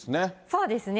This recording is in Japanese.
そうですね。